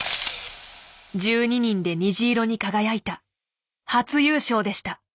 １２人で虹色に輝いた初優勝でした。